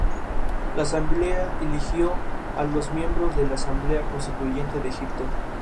Semilla reticulada.